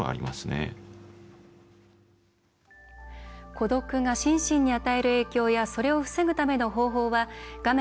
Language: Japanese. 孤独が心身に与える影響やそれを防ぐための方法は画面